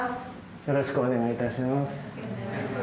よろしくお願いします。